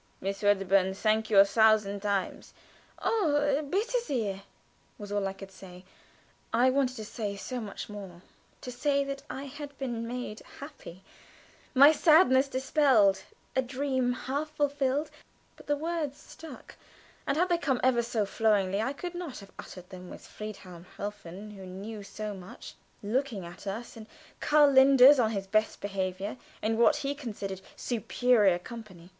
"Miss Wedderburn, thank you a thousand times!" "Oh, bitte sehr!" was all I could say. I wanted to say so much more; to say that I had been made happy; my sadness dispelled, a dream half fulfilled, but the words stuck, and had they come ever so flowingly I could not have uttered them with Friedhelm Helfen, who knew so much, looking at us, and Karl Linders on his best behavior in what he considered superior company.